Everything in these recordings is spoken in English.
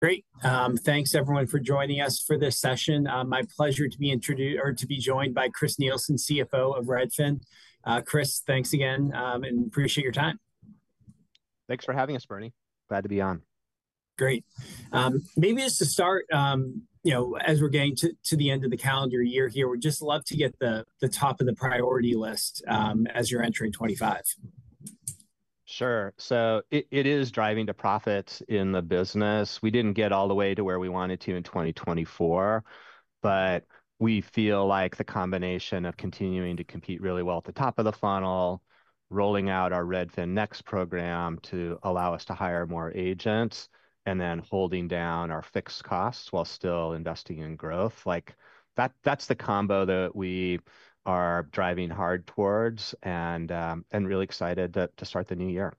Great. Thanks, everyone, for joining us for this session. My pleasure to be introduced or to be joined by Chris Nielsen, CFO of Redfin. Chris, thanks again, and appreciate your time. Thanks for having us, Bernie. Glad to be on. Great. Maybe just to start, as we're getting to the end of the calendar year here, we'd just love to get the top of the priority list as you're entering 2025. Sure. It is driving to profits in the business. We didn't get all the way to where we wanted to in 2024, but we feel like the combination of continuing to compete really well at the top of the funnel, rolling out our Redfin Next program to allow us to hire more agents, and then holding down our fixed costs while still investing in growth, that's the combo that we are driving hard towards and really excited to start the new year.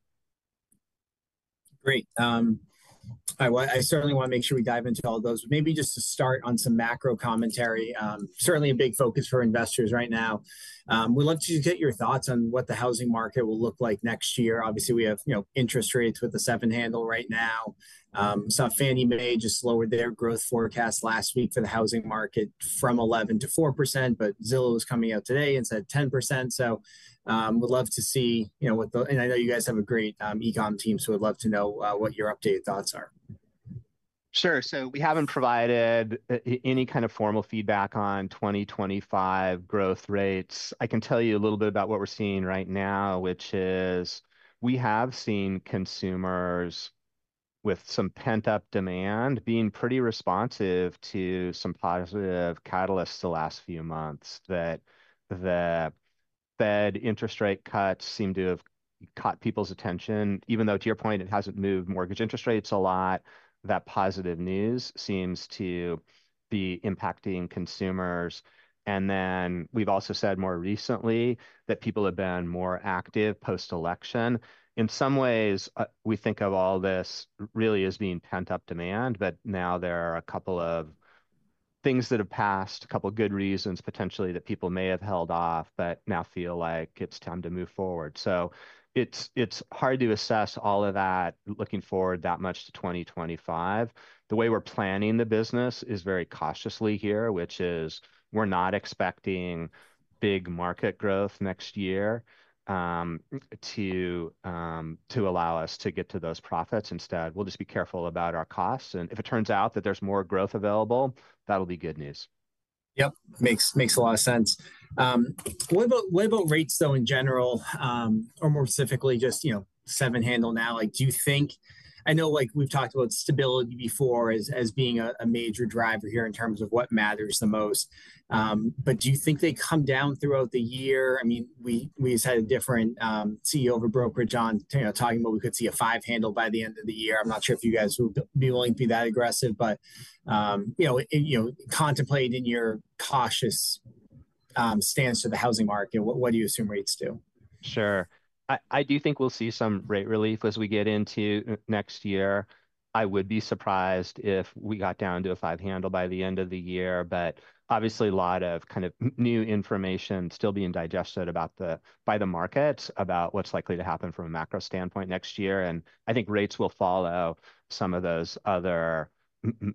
Great. I certainly want to make sure we dive into all those, but maybe just to start on some macro commentary, certainly a big focus for investors right now. We'd love to get your thoughts on what the housing market will look like next year. Obviously, we have interest rates with the seven handle right now, so Fannie Mae just lowered their growth forecast last week for the housing market from 11% to 4%, but Zillow is coming out today and said 10%, so we'd love to see what the, and I know you guys have a great e-comm team, so we'd love to know what your updated thoughts are. Sure. We haven't provided any kind of formal feedback on 2025 growth rates. I can tell you a little bit about what we're seeing right now, which is we have seen consumers with some pent-up demand being pretty responsive to some positive catalysts the last few months. The Fed interest rate cuts seem to have caught people's attention, even though, to your point, it hasn't moved mortgage interest rates a lot. That positive news seems to be impacting consumers. We've also said more recently that people have been more active post-election. In some ways, we think of all this really as being pent-up demand, but now there are a couple of things that have passed, a couple of good reasons potentially that people may have held off, but now feel like it's time to move forward. So it's hard to assess all of that looking forward that much to 2025. The way we're planning the business is very cautiously here, which is we're not expecting big market growth next year to allow us to get to those profits. Instead, we'll just be careful about our costs. And if it turns out that there's more growth available, that'll be good news. Yep. Makes a lot of sense. What about rates though in general, or more specifically just seven handle now? I know we've talked about stability before as being a major driver here in terms of what matters the most, but do you think they come down throughout the year? I mean, we just had a different CEO of a brokerage on talking about we could see a five handle by the end of the year. I'm not sure if you guys would be willing to be that aggressive, but contemplate in your cautious stance to the housing market, what do you assume rates do? Sure. I do think we'll see some rate relief as we get into next year. I would be surprised if we got down to a five handle by the end of the year, but obviously a lot of kind of new information still being digested by the markets about what's likely to happen from a macro standpoint next year. And I think rates will follow some of those other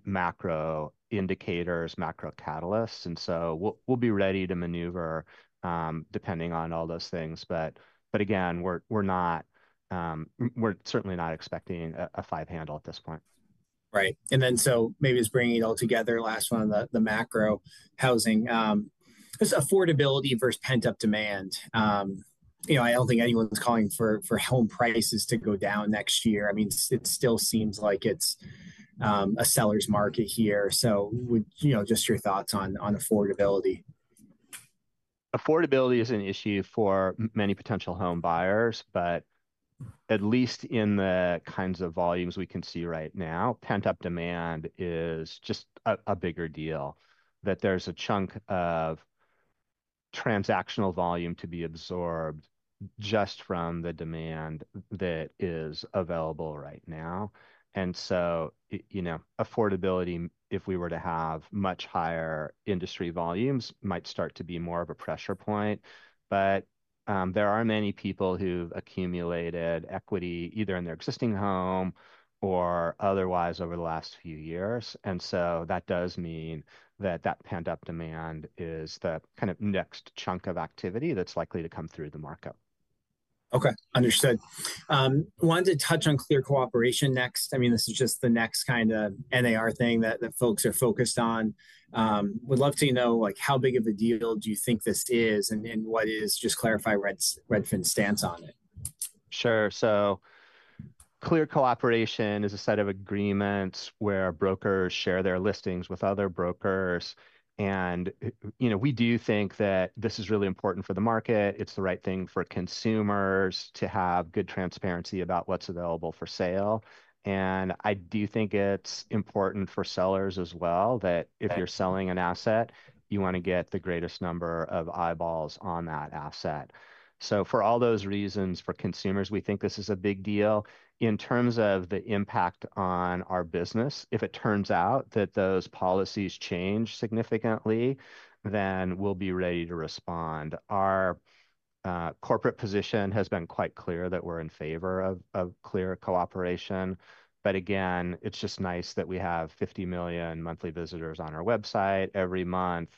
macro indicators, macro catalysts. And so we'll be ready to maneuver depending on all those things. But again, we're certainly not expecting a five handle at this point. Right, and then so maybe just bringing it all together, last one on the macro housing, just affordability versus pent-up demand. I don't think anyone's calling for home prices to go down next year. I mean, it still seems like it's a seller's market here, so just your thoughts on affordability. Affordability is an issue for many potential home buyers, but at least in the kinds of volumes we can see right now, pent-up demand is just a bigger deal, that there's a chunk of transactional volume to be absorbed just from the demand that is available right now. And so affordability, if we were to have much higher industry volumes, might start to be more of a pressure point. But there are many people who've accumulated equity either in their existing home or otherwise over the last few years. And so that does mean that that pent-up demand is the kind of next chunk of activity that's likely to come through the market. Okay. Understood. Wanted to touch on Clear Cooperation next. I mean, this is just the next kind of NAR thing that folks are focused on. Would love to know how big of a deal do you think this is and just clarify Redfin's stance on it. Sure. So clear cooperation is a set of agreements where brokers share their listings with other brokers. And we do think that this is really important for the market. It's the right thing for consumers to have good transparency about what's available for sale. And I do think it's important for sellers as well that if you're selling an asset, you want to get the greatest number of eyeballs on that asset. So for all those reasons for consumers, we think this is a big deal. In terms of the impact on our business, if it turns out that those policies change significantly, then we'll be ready to respond. Our corporate position has been quite clear that we're in favor of Clear Cooperation. But again, it's just nice that we have 50 million monthly visitors on our website every month.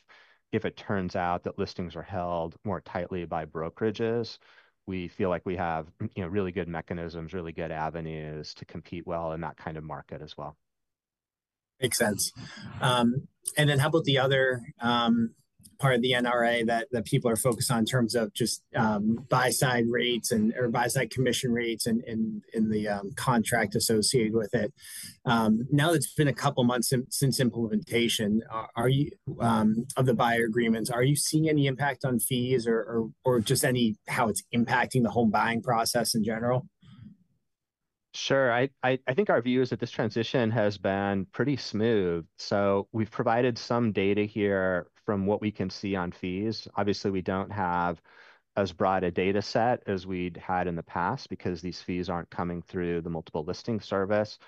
If it turns out that listings are held more tightly by brokerages, we feel like we have really good mechanisms, really good avenues to compete well in that kind of market as well. Makes sense. And then how about the other part of the NAR that people are focused on in terms of just buy-side rates or buy-side commission rates and the contract associated with it? Now that it's been a couple of months since implementation of the buyer agreements, are you seeing any impact on fees or just how it's impacting the home buying process in general? Sure. I think our view is that this transition has been pretty smooth. So we've provided some data here from what we can see on fees. Obviously, we don't have as broad a data set as we'd had in the past because these fees aren't coming through the multiple listing service.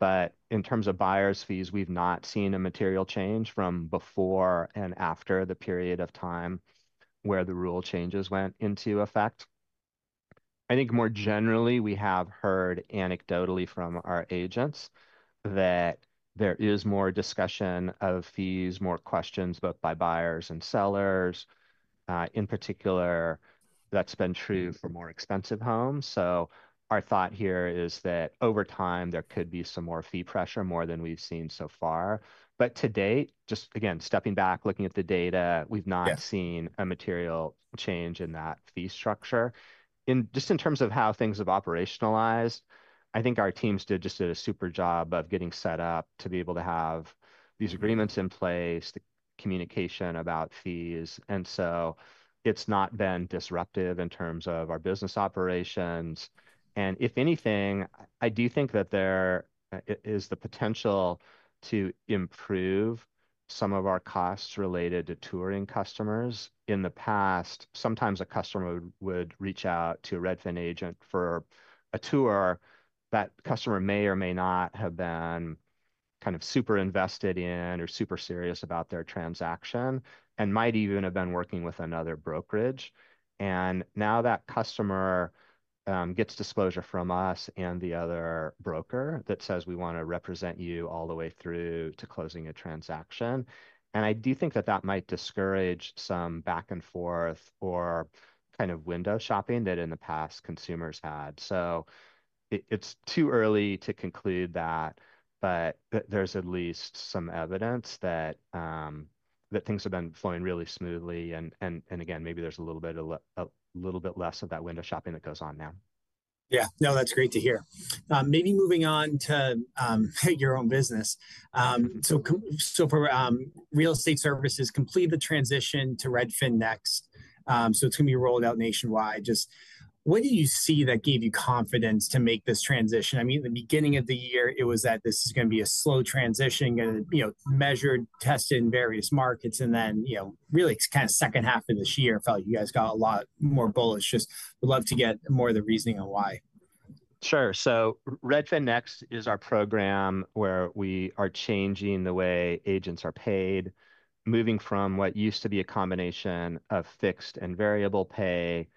But in terms of buyers' fees, we've not seen a material change from before and after the period of time where the rule changes went into effect. I think more generally, we have heard anecdotally from our agents that there is more discussion of fees, more questions both by buyers and sellers. In particular, that's been true for more expensive homes. So our thought here is that over time, there could be some more fee pressure than we've seen so far. But to date, just again, stepping back, looking at the data, we've not seen a material change in that fee structure. And just in terms of how things have operationalized, I think our teams did just a super job of getting set up to be able to have these agreements in place, the communication about fees. And so it's not been disruptive in terms of our business operations. And if anything, I do think that there is the potential to improve some of our costs related to touring customers. In the past, sometimes a customer would reach out to a Redfin agent for a tour. That customer may or may not have been kind of super invested in or super serious about their transaction and might even have been working with another brokerage. And now that customer gets disclosure from us and the other broker that says, "We want to represent you all the way through to closing a transaction." And I do think that that might discourage some back and forth or kind of window shopping that in the past consumers had. So it's too early to conclude that, but there's at least some evidence that things have been flowing really smoothly. And again, maybe there's a little bit less of that window shopping that goes on now. Yeah. No, that's great to hear. Maybe moving on to your own business, so for real estate services, complete the transition to Redfin Next, so it's going to be rolled out nationwide. Just what do you see that gave you confidence to make this transition? I mean, at the beginning of the year, it was that this is going to be a slow transition, going to be measured, tested in various markets, and then really kind of second half of this year felt like you guys got a lot more bullish. Just would love to get more of the reasoning on why. Sure. So Redfin Next is our program where we are changing the way agents are paid, moving from what used to be a combination of fixed and variable pay to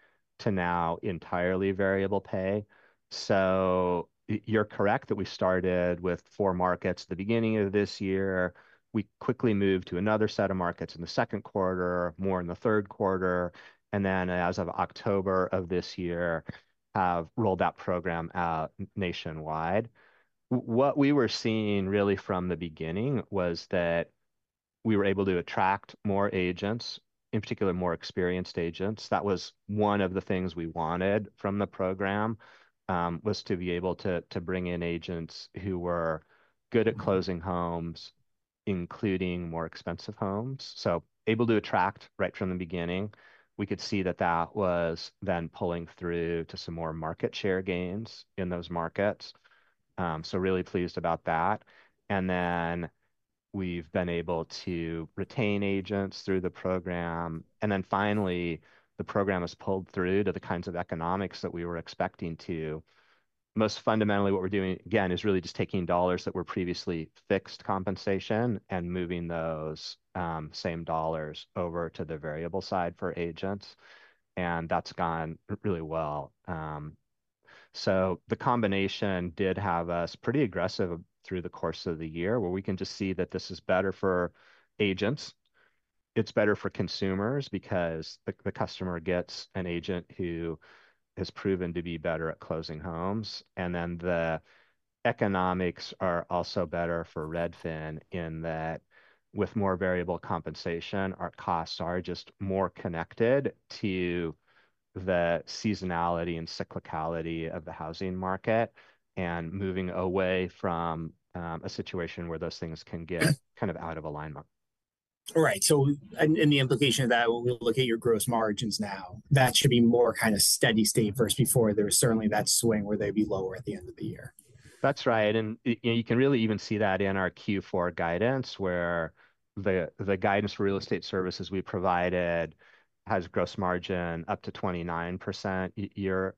now entirely variable pay. So you're correct that we started with four markets at the beginning of this year. We quickly moved to another set of markets in the second quarter, more in the third quarter, and then as of October of this year, have rolled that program out nationwide. What we were seeing really from the beginning was that we were able to attract more agents, in particular, more experienced agents. That was one of the things we wanted from the program, was to be able to bring in agents who were good at closing homes, including more expensive homes. So able to attract right from the beginning, we could see that that was then pulling through to some more market share gains in those markets. So really pleased about that. And then we've been able to retain agents through the program. And then finally, the program has pulled through to the kinds of economics that we were expecting to. Most fundamentally, what we're doing, again, is really just taking dollars that were previously fixed compensation and moving those same dollars over to the variable side for agents. And that's gone really well. So the combination did have us pretty aggressive through the course of the year where we can just see that this is better for agents. It's better for consumers because the customer gets an agent who has proven to be better at closing homes. And then the economics are also better for Redfin in that with more variable compensation, our costs are just more connected to the seasonality and cyclicality of the housing market and moving away from a situation where those things can get kind of out of alignment. Right. And the implication of that, when we look at your gross margins now, that should be more kind of steady state first before there was certainly that swing where they'd be lower at the end of the year. That's right. And you can really even see that in our Q4 guidance where the guidance for real estate services we provided has gross margin up to 29% this year,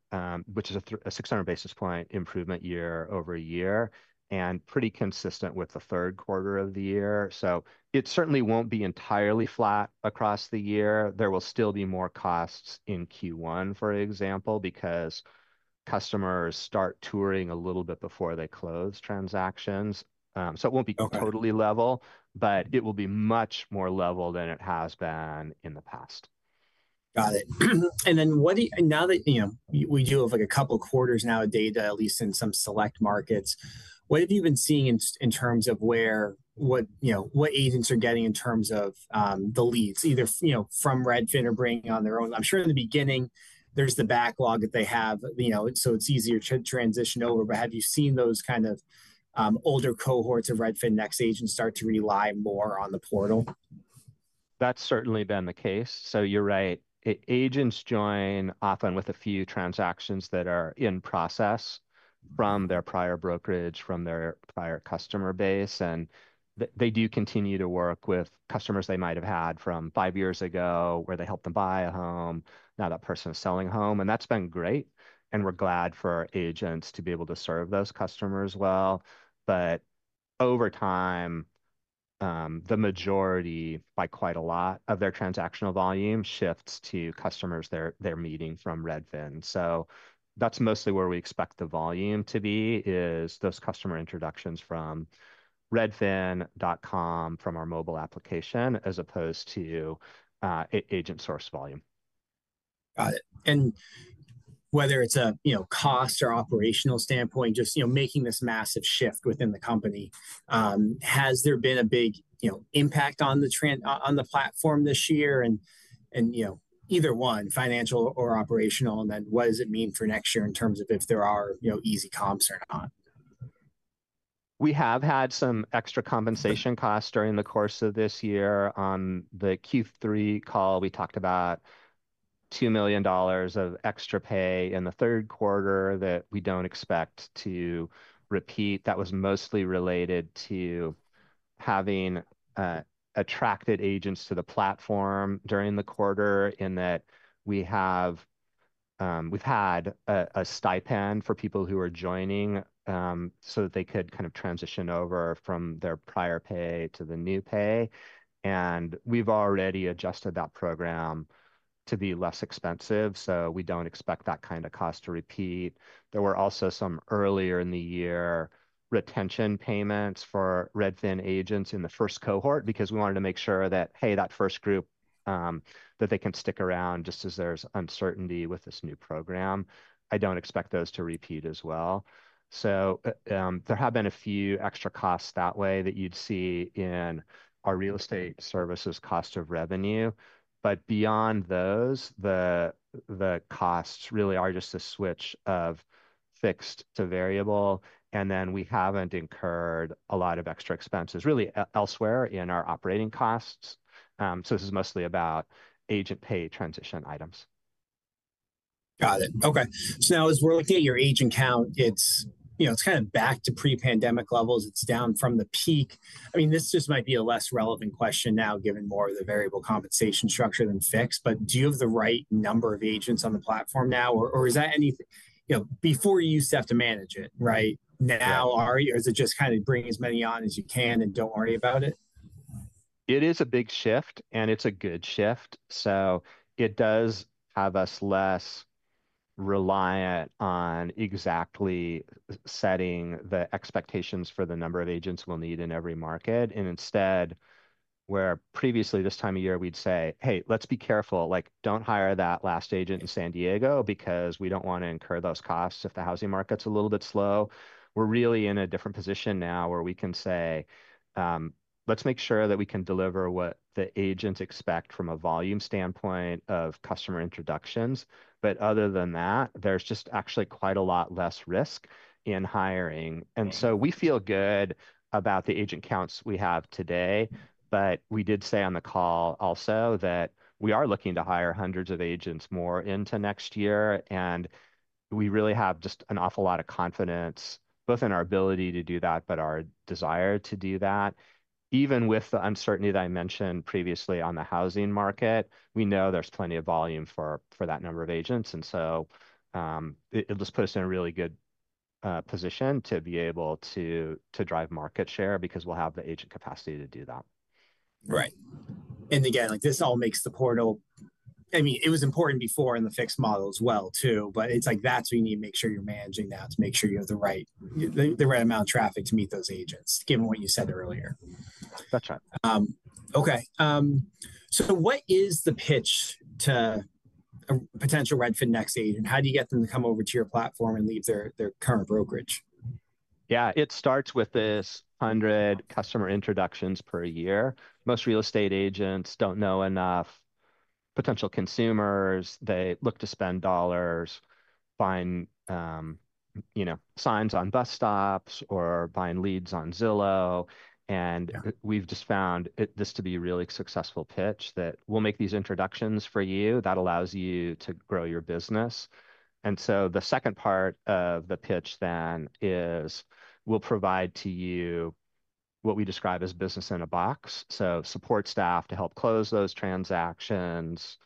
which is a 600 basis points improvement year over year and pretty consistent with the third quarter of the year. So it certainly won't be entirely flat across the year. There will still be more costs in Q1, for example, because customers start touring a little bit before they close transactions. So it won't be totally level, but it will be much more level than it has been in the past. Got it. And then now that we do have a couple of quarters now of data, at least in some select markets, what have you been seeing in terms of what agents are getting in terms of the leads either from Redfin or bringing on their own? I'm sure in the beginning, there's the backlog that they have, so it's easier to transition over. But have you seen those kind of older cohorts of Redfin Next agents start to rely more on the portal? That's certainly been the case. So you're right. Agents join often with a few transactions that are in process from their prior brokerage, from their prior customer base. And they do continue to work with customers they might have had from five years ago where they helped them buy a home, now that person is selling a home. And that's been great. And we're glad for agents to be able to serve those customers well. But over time, the majority, by quite a lot of their transactional volume shifts to customers they're meeting from Redfin. So that's mostly where we expect the volume to be is those customer introductions from Redfin.com, from our mobile application, as opposed to agent source volume. Got it. And whether it's a cost or operational standpoint, just making this massive shift within the company, has there been a big impact on the platform this year? And either one, financial or operational, and then what does it mean for next year in terms of if there are easy comps or not? We have had some extra compensation costs during the course of this year. On the Q3 call, we talked about $2 million of extra pay in the third quarter that we don't expect to repeat. That was mostly related to having attracted agents to the platform during the quarter in that we've had a stipend for people who are joining so that they could kind of transition over from their prior pay to the new pay, and we've already adjusted that program to be less expensive, so we don't expect that kind of cost to repeat. There were also some earlier in the year retention payments for Redfin agents in the first cohort because we wanted to make sure that, hey, that first group, that they can stick around just as there's uncertainty with this new program. I don't expect those to repeat as well. So there have been a few extra costs that way that you'd see in our real estate services cost of revenue. But beyond those, the costs really are just a switch of fixed to variable. And then we haven't incurred a lot of extra expenses really elsewhere in our operating costs. So this is mostly about agent pay transition items. Got it. Okay. So now as we're looking at your agent count, it's kind of back to pre-pandemic levels. It's down from the peak. I mean, this just might be a less relevant question now given more of the variable compensation structure than fixed. But do you have the right number of agents on the platform now? Or is that anything before you used to have to manage it, right? Now, is it just kind of bring as many on as you can and don't worry about it? It is a big shift, and it's a good shift, so it does have us less reliant on exactly setting the expectations for the number of agents we'll need in every market, and instead, where previously this time of year, we'd say, "Hey, let's be careful. Don't hire that last agent in San Diego because we don't want to incur those costs if the housing market's a little bit slow." We're really in a different position now where we can say, "Let's make sure that we can deliver what the agents expect from a volume standpoint of customer introductions," but other than that, there's just actually quite a lot less risk in hiring, and so we feel good about the agent counts we have today, but we did say on the call also that we are looking to hire hundreds of agents more into next year. And we really have just an awful lot of confidence both in our ability to do that, but our desire to do that. Even with the uncertainty that I mentioned previously on the housing market, we know there's plenty of volume for that number of agents. And so it just puts us in a really good position to be able to drive market share because we'll have the agent capacity to do that. Right, and again, this all makes the portal, I mean, it was important before in the fixed model as well too, but it's like that's what you need to make sure you're managing that to make sure you have the right amount of traffic to meet those agents, given what you said earlier. That's right. Okay, so what is the pitch to a potential Redfin Next agent? How do you get them to come over to your platform and leave their current brokerage? Yeah. It starts with this 100 customer introductions per year. Most real estate agents don't know enough potential consumers. They look to spend dollars, find signs on bus stops, or find leads on Zillow. And we've just found this to be a really successful pitch that we'll make these introductions for you that allows you to grow your business. And so the second part of the pitch then is we'll provide to you what we describe as business in a box. So support staff to help close those transactions.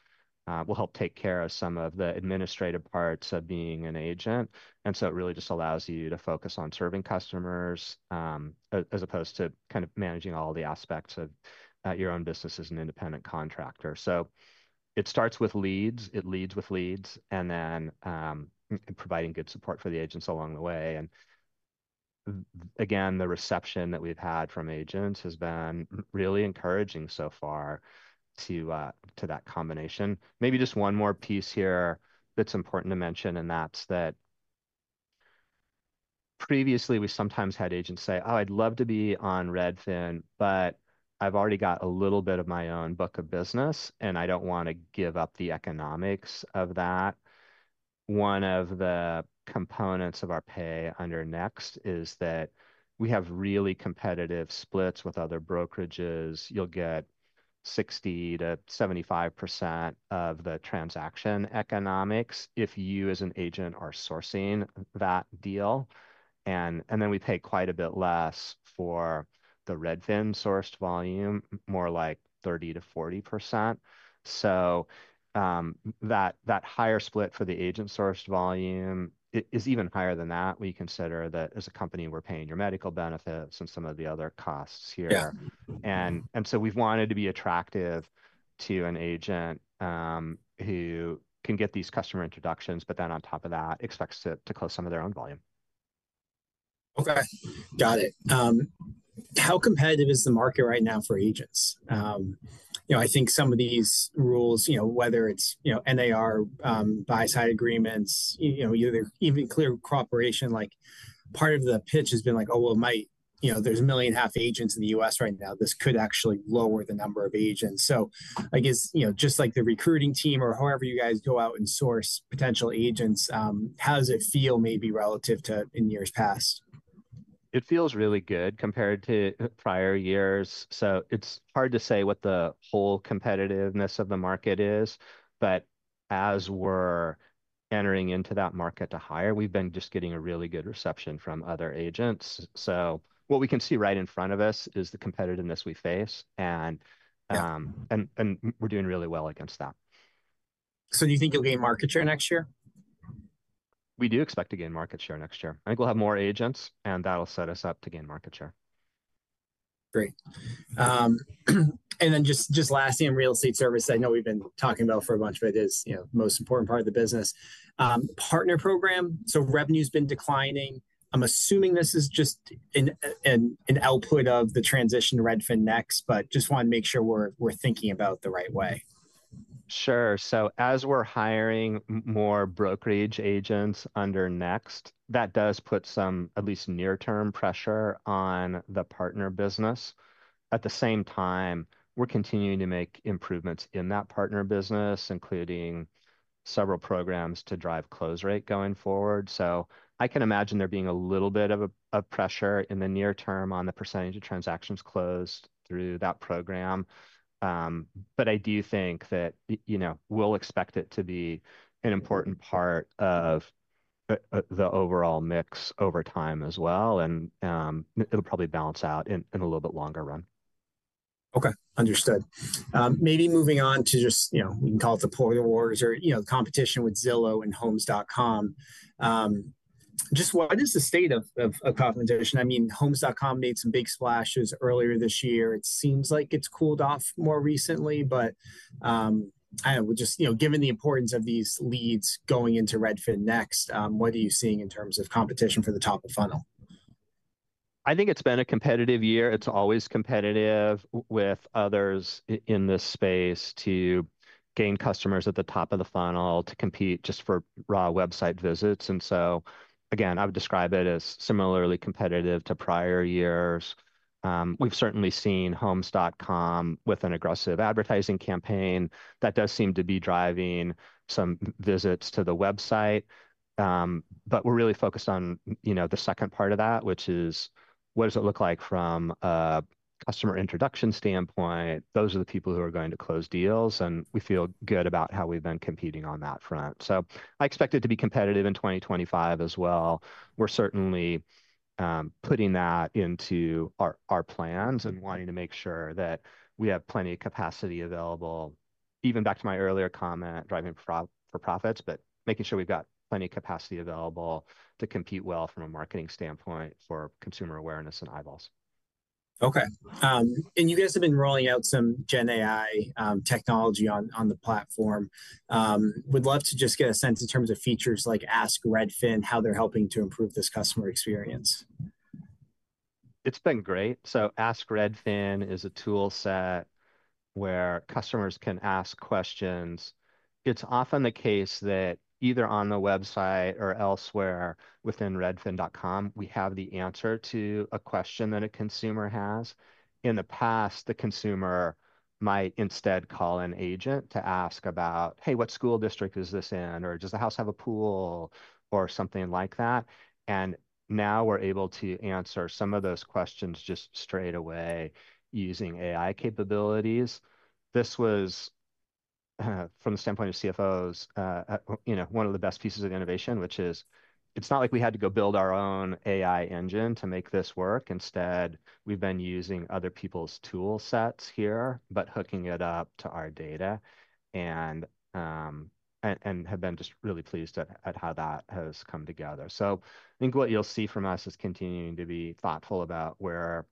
We'll help take care of some of the administrative parts of being an agent. And so it really just allows you to focus on serving customers as opposed to kind of managing all the aspects of your own business as an independent contractor. So it starts with leads. It leads with leads and then providing good support for the agents along the way. And again, the reception that we've had from agents has been really encouraging so far to that combination. Maybe just one more piece here that's important to mention, and that's that previously we sometimes had agents say, "Oh, I'd love to be on Redfin, but I've already got a little bit of my own book of business, and I don't want to give up the economics of that." One of the components of our pay under Next is that we have really competitive splits with other brokerages. You'll get 60%-75% of the transaction economics if you as an agent are sourcing that deal. And then we pay quite a bit less for the Redfin-sourced volume, more like 30%-40%. So that higher split for the agent-sourced volume is even higher than that. We consider that as a company, we're paying your medical benefits and some of the other costs here, and so we've wanted to be attractive to an agent who can get these customer introductions, but then on top of that, expects to close some of their own volume. Okay. Got it. How competitive is the market right now for agents? I think some of these rules, whether it's NAR, buy-side agreements, even Clear Cooperation, part of the pitch has been like, "Oh, well, there's 1.5 million agents in the U.S. right now. This could actually lower the number of agents." So I guess just like the recruiting team or however you guys go out and source potential agents, how does it feel maybe relative to in years past? It feels really good compared to prior years. So it's hard to say what the whole competitiveness of the market is. But as we're entering into that market to hire, we've been just getting a really good reception from other agents. So what we can see right in front of us is the competitiveness we face, and we're doing really well against that. So do you think you'll gain market share next year? We do expect to gain market share next year. I think we'll have more agents, and that'll set us up to gain market share. Great. And then just lastly, in real estate service, I know we've been talking about for a bunch, but it is the most important part of the business. Partner program. So revenue's been declining. I'm assuming this is just an output of the transition to Redfin Next, but just want to make sure we're thinking about the right way. Sure. So as we're hiring more brokerage agents under Next, that does put some at least near-term pressure on the partner business. At the same time, we're continuing to make improvements in that partner business, including several programs to drive close rate going forward. So I can imagine there being a little bit of pressure in the near term on the percentage of transactions closed through that program. But I do think that we'll expect it to be an important part of the overall mix over time as well. And it'll probably balance out in a little bit longer run. Okay. Understood. Maybe moving on to just, we can call it the portal wars or competition with Zillow and Homes.com. Just what is the state of compensation? I mean, Homes.com made some big splashes earlier this year. It seems like it's cooled off more recently, but I don't know. Given the importance of these leads going into Redfin Next, what are you seeing in terms of competition for the top of funnel? I think it's been a competitive year. It's always competitive with others in this space to gain customers at the top of the funnel to compete just for raw website visits, and so again, I would describe it as similarly competitive to prior years. We've certainly seen Homes.com with an aggressive advertising campaign. That does seem to be driving some visits to the website, but we're really focused on the second part of that, which is what does it look like from a customer introduction standpoint? Those are the people who are going to close deals, and we feel good about how we've been competing on that front, so I expect it to be competitive in 2025 as well. We're certainly putting that into our plans and wanting to make sure that we have plenty of capacity available, even back to my earlier comment, driving for profits, but making sure we've got plenty of capacity available to compete well from a marketing standpoint for consumer awareness and eyeballs. Okay. And you guys have been rolling out some GenAI technology on the platform. Would love to just get a sense in terms of features like Ask Redfin, how they're helping to improve this customer experience. It's been great. So Ask Redfin is a toolset where customers can ask questions. It's often the case that either on the website or elsewhere within Redfin.com, we have the answer to a question that a consumer has. In the past, the consumer might instead call an agent to ask about, "Hey, what school district is this in?" or, "Does the house have a pool?" or something like that. And now we're able to answer some of those questions just straight away using AI capabilities. This was, from the standpoint of CFOs, one of the best pieces of innovation, which is it's not like we had to go build our own AI engine to make this work. Instead, we've been using other people's toolsets here, but hooking it up to our data and have been just really pleased at how that has come together. So I think what you'll see from us is continuing to be thoughtful about where,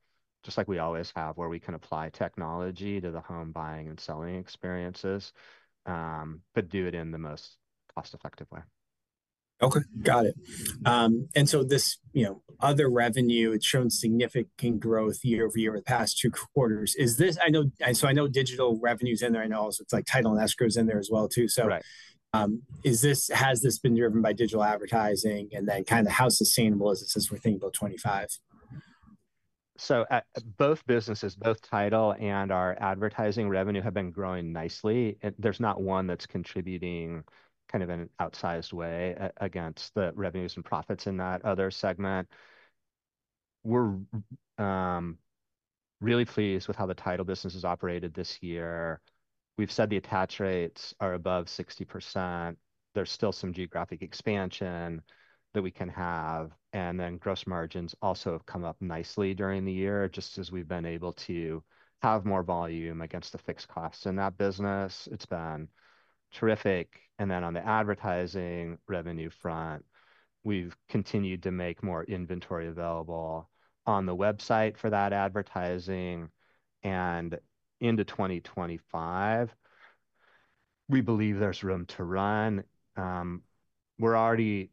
just like we always have, where we can apply technology to the home buying and selling experiences, but do it in the most cost-effective way. Okay. Got it. And so this other revenue, it's shown significant growth year over year over the past two quarters. I know digital revenue's in there. I know also it's like title and escrow's in there as well too. So has this been driven by digital advertising? And then kind of how sustainable is it since we're thinking about 2025? Both businesses, both title and our advertising revenue have been growing nicely. There's not one that's contributing kind of in an outsized way against the revenues and profits in that other segment. We're really pleased with how the title business has operated this year. We've said the attach rates are above 60%. There's still some geographic expansion that we can have. Gross margins also have come up nicely during the year, just as we've been able to have more volume against the fixed costs in that business. It's been terrific. On the advertising revenue front, we've continued to make more inventory available on the website for that advertising. Into 2025, we believe there's room to run. We're already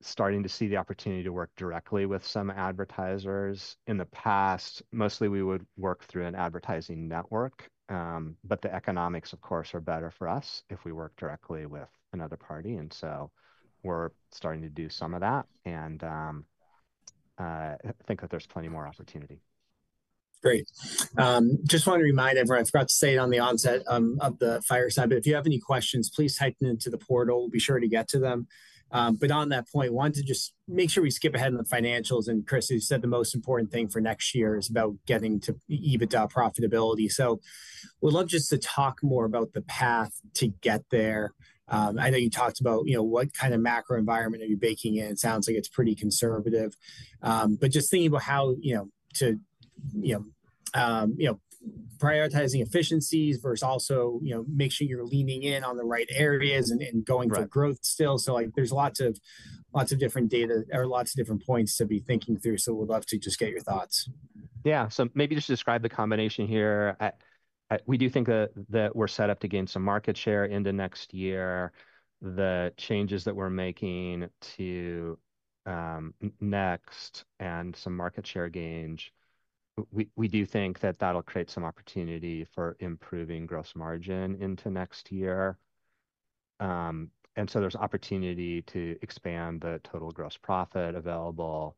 starting to see the opportunity to work directly with some advertisers. In the past, mostly we would work through an advertising network. But the economics, of course, are better for us if we work directly with another party. And so we're starting to do some of that. And I think that there's plenty more opportunity. Great. Just want to remind everyone, I forgot to say it on the onset of the fireside, but if you have any questions, please type them into the portal. We'll be sure to get to them. But on that point, I wanted to just make sure we skip ahead in the financials, and Chris, you said the most important thing for next year is about getting to EBITDA profitability, so we'd love just to talk more about the path to get there. I know you talked about what kind of macro environment are you baking in? It sounds like it's pretty conservative, but just thinking about how to prioritizing efficiencies versus also making sure you're leaning in on the right areas and going through growth still, so there's lots of different data or lots of different points to be thinking through, so we'd love to just get your thoughts. Yeah, so maybe just describe the combination here. We do think that we're set up to gain some market share into next year. The changes that we're making to Next and some market share gains, we do think that that'll create some opportunity for improving gross margin into next year, and so there's opportunity to expand the total gross profit available.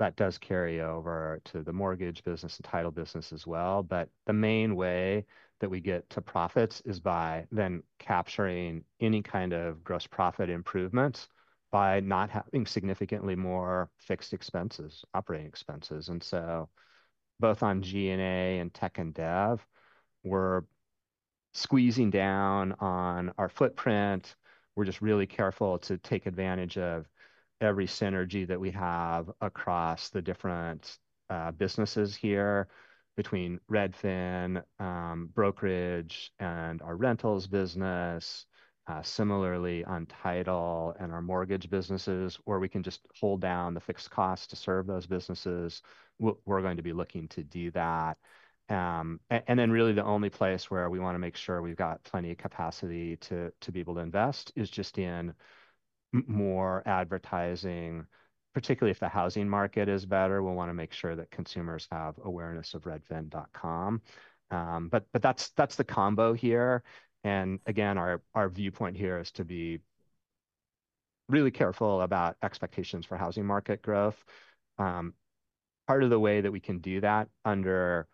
That does carry over to the mortgage business and title business as well, but the main way that we get to profits is by then capturing any kind of gross profit improvements by not having significantly more fixed expenses, operating expenses, and so both on G&A and tech and dev, we're squeezing down on our footprint. We're just really careful to take advantage of every synergy that we have across the different businesses here between Redfin, brokerage, and our rentals business. Similarly, on title and our mortgage businesses, where we can just hold down the fixed costs to serve those businesses, we're going to be looking to do that. And then really the only place where we want to make sure we've got plenty of capacity to be able to invest is just in more advertising, particularly if the housing market is better. We'll want to make sure that consumers have awareness of Redfin.com. But that's the combo here. And again, our viewpoint here is to be really careful about expectations for housing market growth. Part of the way that we can do that under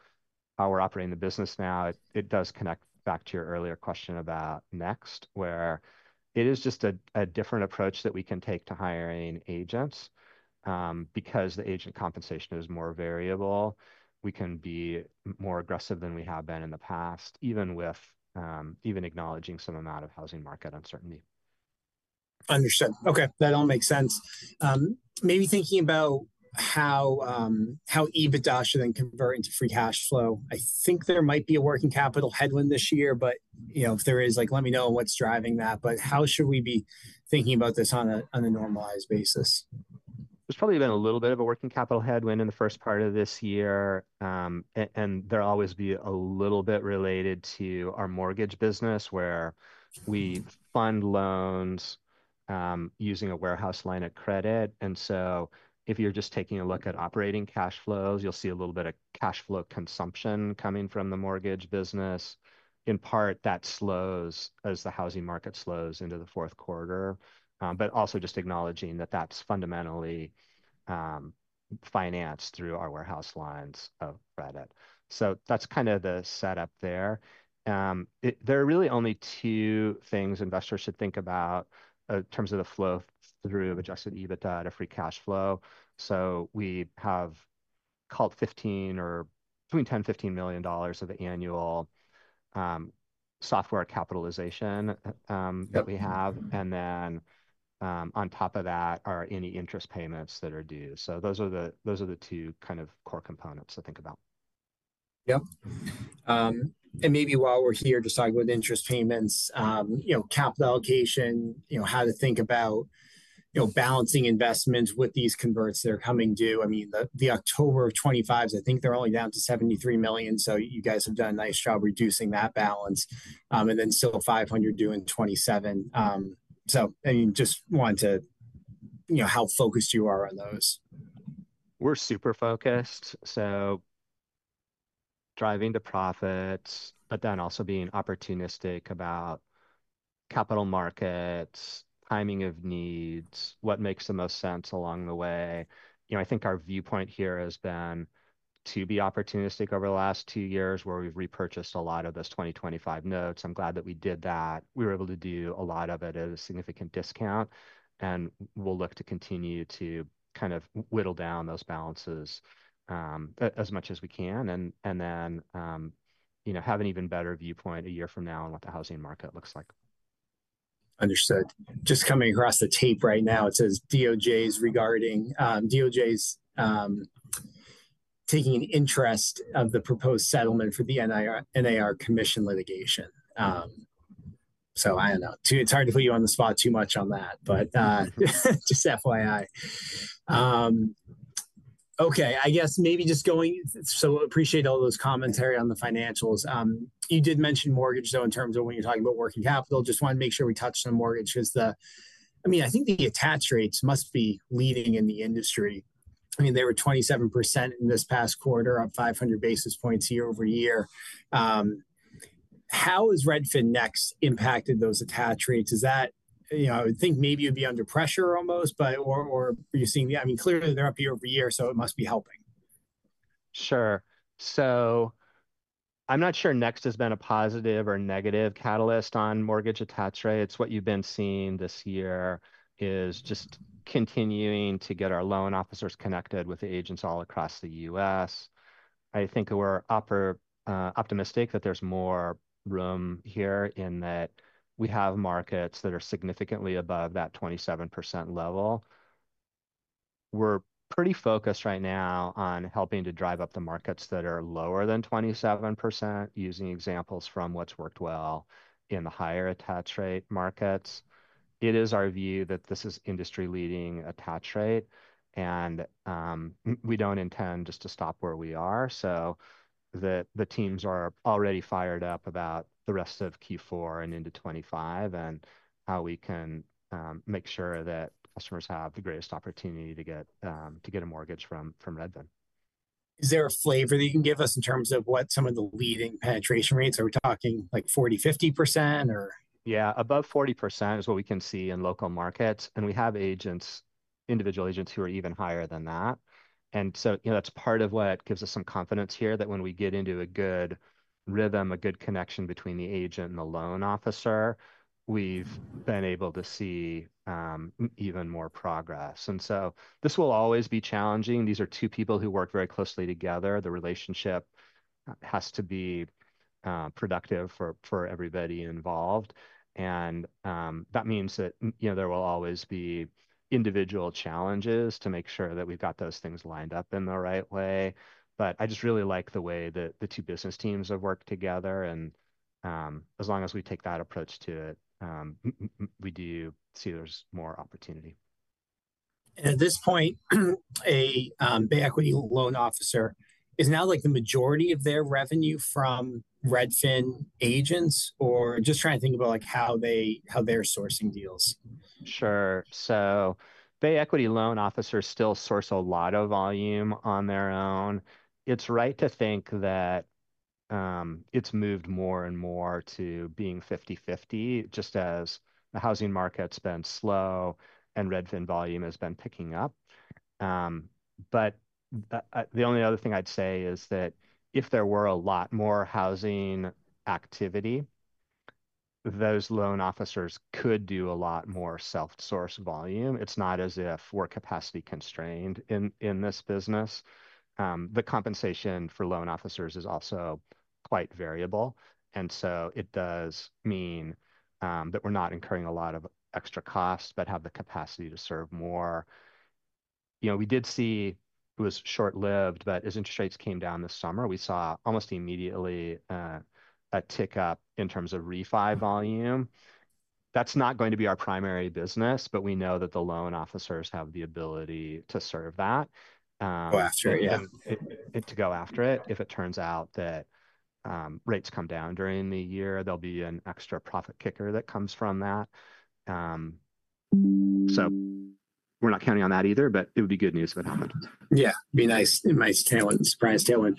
how we're operating the business now, it does connect back to your earlier question about Next, where it is just a different approach that we can take to hiring agents because the agent compensation is more variable. We can be more aggressive than we have been in the past, even acknowledging some amount of housing market uncertainty. Understood. Okay. That all makes sense. Maybe thinking about how EBITDA should then convert into free cash flow. I think there might be a working capital headwind this year, but if there is, let me know what's driving that. But how should we be thinking about this on a normalized basis? There's probably been a little bit of a working capital headwind in the first part of this year. And there'll always be a little bit related to our mortgage business, where we fund loans using a warehouse line of credit. And so if you're just taking a look at operating cash flows, you'll see a little bit of cash flow consumption coming from the mortgage business. In part, that slows as the housing market slows into the fourth quarter. But also just acknowledging that that's fundamentally financed through our warehouse lines of credit. So that's kind of the setup there. There are really only two things investors should think about in terms of the flow through adjusted EBITDA to free cash flow. So we have called 15 or between $10 and $15 million of annual software capitalization that we have. And then on top of that are any interest payments that are due. So those are the two kind of core components to think about. Yep. And maybe while we're here, just talking about interest payments, capital allocation, how to think about balancing investments with these converts that are coming due. I mean, the October of 2025, I think they're only down to $73 million. So you guys have done a nice job reducing that balance. And then still $500 million due in 2027. So I mean, just want to know how focused you are on those. We're super focused, so driving the profits, but then also being opportunistic about capital markets, timing of needs, what makes the most sense along the way. I think our viewpoint here has been to be opportunistic over the last two years, where we've repurchased a lot of those 2025 notes. I'm glad that we did that. We were able to do a lot of it at a significant discount, and we'll look to continue to kind of whittle down those balances as much as we can and then have an even better viewpoint a year from now on what the housing market looks like. Understood. Just coming across the tape right now, it says DOJ's regarding DOJ's taking an interest of the proposed settlement for the NAR Commission litigation. So I don't know. It's hard to put you on the spot too much on that, but just FYI. Okay. I guess maybe just going so appreciate all those commentary on the financials. You did mention mortgage, though, in terms of when you're talking about working capital. Just wanted to make sure we touched on mortgage because, I mean, I think the attach rates must be leading in the industry. I mean, they were 27% in this past quarter, up 500 basis points year over year. How has Redfin Next impacted those attach rates? I would think maybe it would be under pressure almost, but are you seeing the I mean, clearly they're up year over year, so it must be helping. Sure, so I'm not sure Next has been a positive or negative catalyst on mortgage attach rates. What you've been seeing this year is just continuing to get our loan officers connected with the agents all across the U.S. I think we're optimistic that there's more room here in that we have markets that are significantly above that 27% level. We're pretty focused right now on helping to drive up the markets that are lower than 27%, using examples from what's worked well in the higher attach rate markets. It is our view that this is industry-leading attach rate, and we don't intend just to stop where we are, so the teams are already fired up about the rest of Q4 and into 2025 and how we can make sure that customers have the greatest opportunity to get a mortgage from Redfin. Is there a flavor that you can give us in terms of what some of the leading penetration rates? Are we talking like 40%, 50%, or? Yeah. Above 40% is what we can see in local markets. And we have individual agents who are even higher than that. And so that's part of what gives us some confidence here that when we get into a good rhythm, a good connection between the agent and the loan officer, we've been able to see even more progress. And so this will always be challenging. These are two people who work very closely together. The relationship has to be productive for everybody involved. And that means that there will always be individual challenges to make sure that we've got those things lined up in the right way. But I just really like the way that the two business teams have worked together. And as long as we take that approach to it, we do see there's more opportunity. At this point, a Bay Equity loan officer is now like the majority of their revenue from Redfin agents? Or just trying to think about how they're sourcing deals. Sure. So Bay Equity loan officers still source a lot of volume on their own. It's right to think that it's moved more and more to being 50/50, just as the housing market's been slow and Redfin volume has been picking up. But the only other thing I'd say is that if there were a lot more housing activity, those loan officers could do a lot more self-source volume. It's not as if we're capacity constrained in this business. The compensation for loan officers is also quite variable. And so it does mean that we're not incurring a lot of extra costs but have the capacity to serve more. We did see it was short-lived, but as interest rates came down this summer, we saw almost immediately a tick up in terms of refi volume. That's not going to be our primary business, but we know that the loan officers have the ability to serve that. Go after it, yeah. To go after it. If it turns out that rates come down during the year, there'll be an extra profit kicker that comes from that. So we're not counting on that either, but it would be good news if it happened. Yeah. It'd be nice. It's a nice surprise tailwind.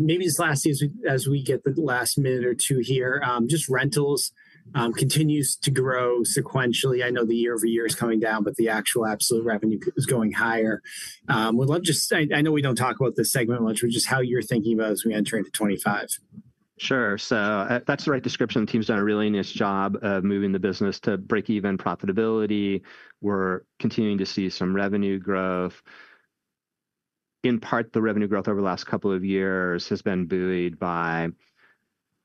Maybe just lastly, as we get the last minute or two here, just rentals continues to grow sequentially. I know the year over year is coming down, but the actual absolute revenue is going higher. I know we don't talk about this segment much, but just how you're thinking about it as we enter into 2025. Sure. So that's the right description. The team's done a really nice job of moving the business to break even profitability. We're continuing to see some revenue growth. In part, the revenue growth over the last couple of years has been buoyed by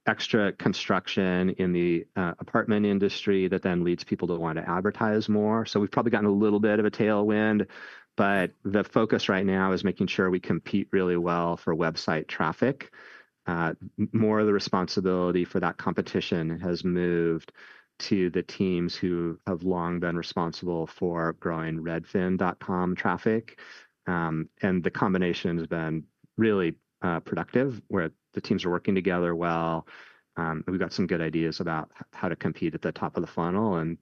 extra construction in the apartment industry that then leads people to want to advertise more. So we've probably gotten a little bit of a tailwind, but the focus right now is making sure we compete really well for website traffic. More of the responsibility for that competition has moved to the teams who have long been responsible for growing Redfin.com traffic. And the combination has been really productive, where the teams are working together well. We've got some good ideas about how to compete at the top of the funnel. And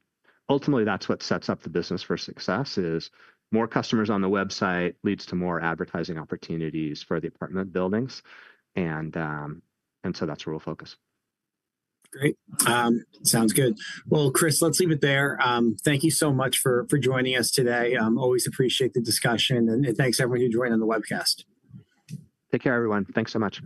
ultimately, that's what sets up the business for success, is more customers on the website leads to more advertising opportunities for the apartment buildings. And so that's where we'll focus. Great. Sounds good. Well, Chris, let's leave it there. Thank you so much for joining us today. Always appreciate the discussion. And thanks, everyone, who joined on the webcast. Take care, everyone. Thanks so much.